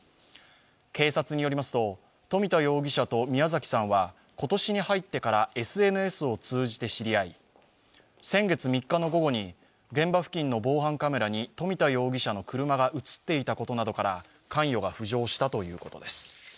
警察によりますと、冨田容疑者と宮崎さんは今年に入ってからＳＮＳを通じて知り合い先月３日の午後に現場付近の防犯カメラに冨田容疑者の車が映っていたことなどから関与が浮上したということです。